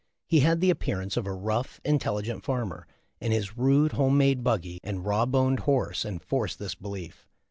He had the appearance of a rough, intelligent farmer, and his rude, home made buggy and raw boned horse enforced this belief.